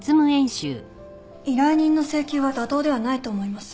依頼人の請求は妥当ではないと思います。